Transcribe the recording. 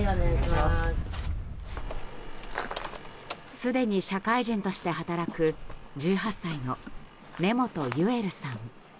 すでに社会人として働く１８歳の根本優流さん。